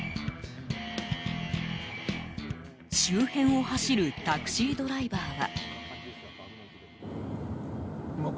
周辺を走るタクシードライバーは。